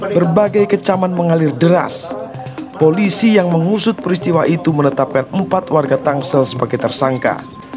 berbagai kecaman mengalir deras polisi yang mengusut peristiwa itu menetapkan empat warga tangsel sebagai tersangka